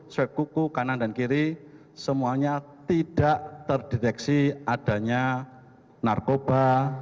swab kuku kanan dan kiri semuanya tidak terdeteksi adanya narkoba